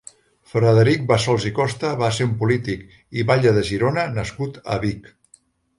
Frederic Bassols i Costa va ser un polític i batlle de Girona nascut a Vic.